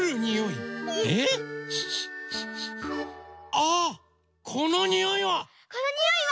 あっこのにおいは！